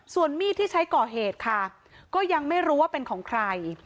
ส่วนมีดที่ใช้ก่อเหตุค่ะก็ยังไม่รู้ว่าเป็นของใคร